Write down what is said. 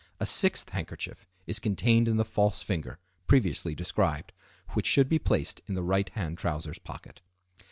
A sixth handkerchief is contained in the false finger (previously described), which should be placed in the right hand trousers pocket.